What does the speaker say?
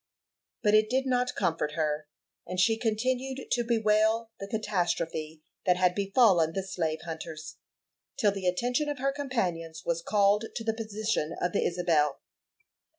But it did not comfort her, and she continued to bewail the catastrophe that had befallen the slave hunters till the attention of her companions was called to the position of the Isabel.